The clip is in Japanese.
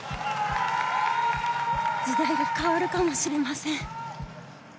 時代が変わるかもしれません。